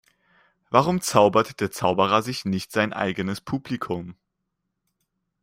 Warum zaubert der Zauberer sich nicht sein eigenes Publikum?